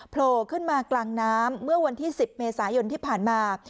โผล่ขึ้นมากลางน้ำเมื่อวันที่๑๐เมษายนที่ผ่านมา